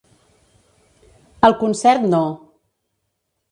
El Concert no.